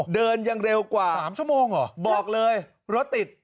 เดินยังเร็วกว่า๓ชั่วโมงเหรอบอกเลยรถติด